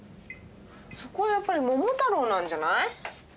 そこはやっぱり桃太郎なんじゃない？